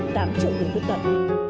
gần tám triệu người khuyết tật